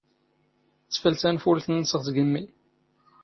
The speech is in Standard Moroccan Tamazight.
ⵜⴼⵍ ⵜⴰⵏⴼⵓⵍⵜ ⵏⵏⵙ ⵖ ⵜⴳⵎⵎⵉ.